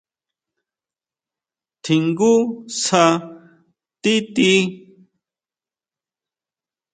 ¿Tjingú sjá tíʼti?